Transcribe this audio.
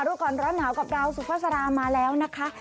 รูปกรรมร้อนหนาวกับเราสุภาษามาแล้วนะคะ